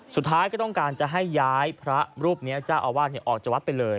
สุดท้ายก็ต้องการจะให้ย้ายพระรูปนี้เจ้าอาวาสออกจากวัดไปเลย